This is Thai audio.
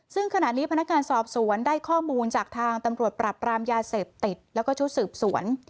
ซึ่งขณะนี้พนักงานสอบสวนได้ข้อมูลจากทางตำรวจปรับปรามยาเสพติดแล้วก็ชุดสืบสวน